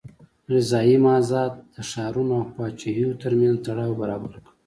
غذایي مازاد د ښارونو او پاچاهیو ترمنځ تړاو برابر کړ.